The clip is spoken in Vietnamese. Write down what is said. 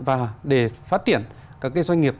và để phát triển các doanh nghiệp